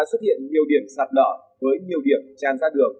đã xuất hiện nhiều điểm sạt lở với nhiều điểm tràn ra đường